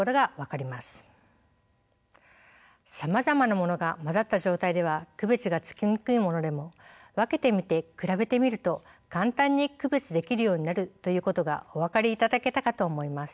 さまざまなものが混ざった状態では区別がつきにくいものでも分けてみて比べてみると簡単に区別できるようになるということがお分かりいただけたかと思います。